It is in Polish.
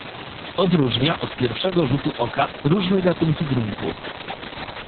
"Odróżnia od pierwszego rzutu oka różne gatunki gruntu."